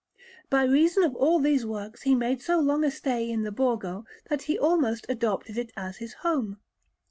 By reason of all these works he made so long a stay in the Borgo that he almost adopted it as his home.